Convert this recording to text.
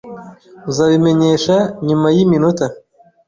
Uzabimenyesha nyuma yiminota ?